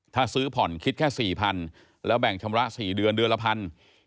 ถ้าซื้อผ่อนคิดแค่๔๐๐๐แล้วแบ่งชำระ๔เดือนเดือนละพัน